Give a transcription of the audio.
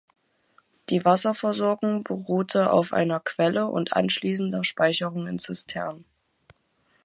Die Wasserversorgung beruhte auf einer Quelle und anschließender Speicherung in Zisternen.